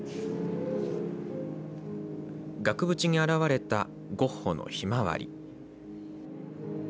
額縁に現れたゴッホのひまわり。